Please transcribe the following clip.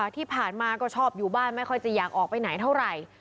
ที่ผ่านมาก็ชอบอยู่บ้านไม่ค่อยจะอยากออกไปไหนเท่าไหร่